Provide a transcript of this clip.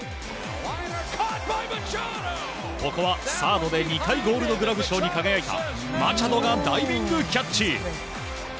ここはサードで２回ゴールドグラブ賞に輝いたマチャドがダイビングキャッチ。